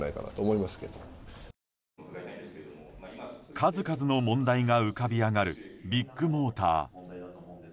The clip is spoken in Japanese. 数々の問題が浮かび上がるビッグモーター。